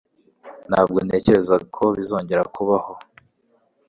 Ntabwo ntekereza ko bizongera kubaho.